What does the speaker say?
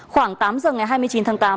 khoảng tám h ngày hai mươi chín tháng tám